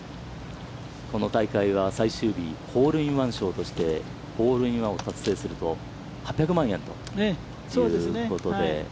この大会は、最終日、ホールインワン賞としてホールインワンを達成すると８００万円ということで。